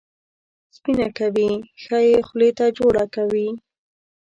سپینه کوي، ښه یې خولې ته جوړه کوي.